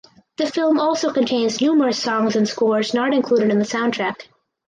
The film also contains numerous songs and scores not included on the soundtrack.